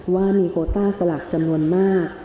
ว่ามีโคต้าสลักจำนวนมาก